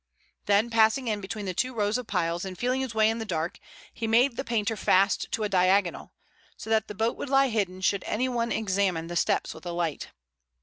Then passing in between the two rows of piles and feeling his way in the dark, he made the painter fast to a diagonal, so that the boat would lie hidden should anyone examine the steps with a light.